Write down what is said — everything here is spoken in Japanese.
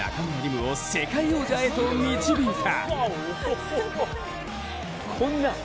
夢を世界王者へと導いた。